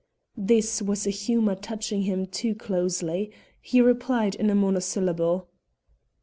This was a humour touching him too closely; he replied in a monosyllable.